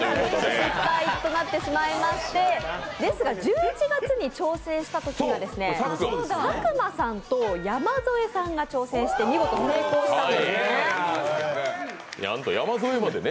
失敗となってしまいましてですが、１１月に佐久間さんと山添さんが挑戦して見事、成功したんですね。